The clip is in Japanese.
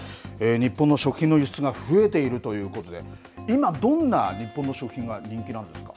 日本の食品の輸出が増えているということで、今、どんな日本の食品が人気なんですか。